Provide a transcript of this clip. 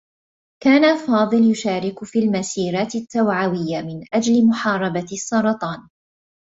كان فاضل يشارك في المسيرات التّوّعية من أجل محاربة السّرطان.